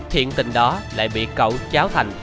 thiện tình đó lại bị cậu cháu thành